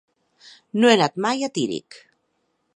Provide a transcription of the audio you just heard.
No he anat mai a Tírig.